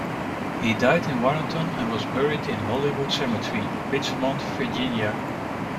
He died in Warrenton and was buried in Hollywood Cemetery, Richmond, Virginia.